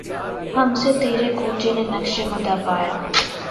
ہم سے تیرے کوچے نے نقش مدعا پایا